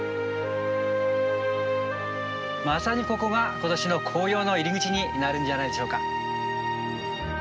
まさにここが今年の紅葉の入り口になるんじゃないでしょうか。